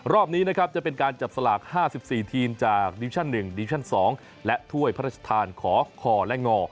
รอบนี้นะครับจะเป็นการจับสลาก๕๔ทีมจากดิวิชั่น๑ดิชั่น๒และถ้วยพระราชทานขอคอและงอ